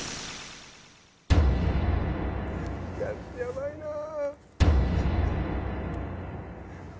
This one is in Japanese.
いややばいなあ。